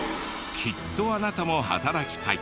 きっとあなたも働きたい。